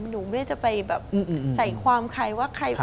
หนูไม่ได้จะไปแบบใส่ความใครว่าใคร